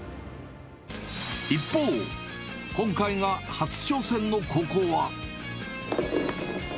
一方、今回が初挑戦の高校は。